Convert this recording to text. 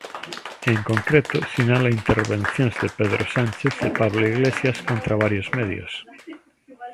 En concreto, sinala intervencións de Pedro Sánchez e Pablo Iglesias contra varios medios.